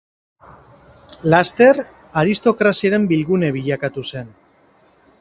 Laster aristokraziaren bilgune bilakatu zen.